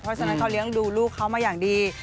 เพราะฉะนั้นเขาเลี้ยงดูลูกเขามาอย่างดี